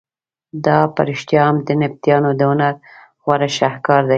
دا په رښتیا هم د نبطیانو د هنر غوره شهکار دی.